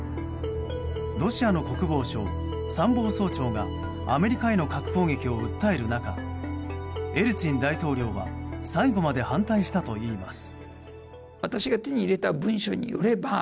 ロシアの国防相、参謀総長がアメリカへの核攻撃を訴える中エリツィン大統領は最後まで反対したといいます。